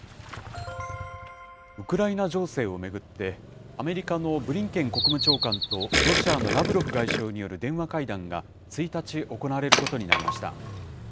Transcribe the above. ウクライナ情勢を巡って、アメリカのブリンケン国務長官と、ロシアのラブロフ外相による電話会談が、１日、行われることになりました。